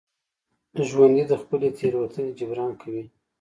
ژوندي د خپلې تېروتنې جبران کوي